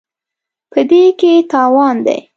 په دې کې تاوان دی.